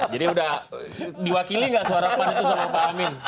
jadi sudah diwakili nggak suara pan itu sama pak amin